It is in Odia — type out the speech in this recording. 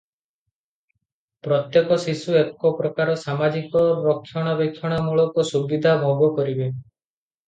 ପ୍ରତ୍ୟେକ ଶିଶୁ ଏକ ପ୍ରକାର ସାମାଜିକ ରକ୍ଷଣାବେକ୍ଷଣମୂଳକ ସୁବିଧା ଭୋଗ କରିବେ ।